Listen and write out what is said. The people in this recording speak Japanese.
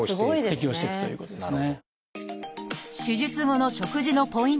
適応していくということですね。